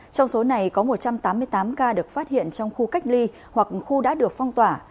trong số này có một trăm tám mươi tám ca được phát hiện trong khu cách ly hoặc khu đã được phong tỏa